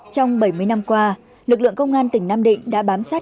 trong bảy mươi năm qua lực lượng công an tỉnh nam định đã bám sát